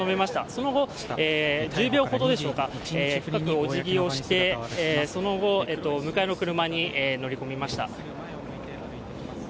その後、１０秒ほどでしょうか、その後、迎えの車に乗り込みました。